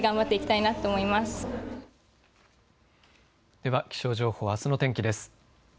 では気象情報あすの天気です。